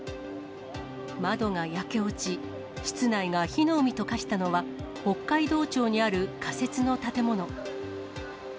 窓が焼け落ち、室内が火の海と化したのは、北海道庁にある仮設の建物。